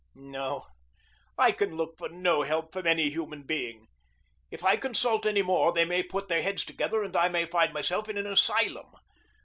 No, I can look for no help from any human being. If I consult any more, they may put their heads together and I may find myself in an asylum.